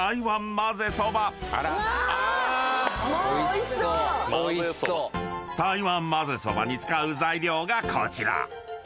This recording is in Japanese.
まぜそばに使う材料がこちら］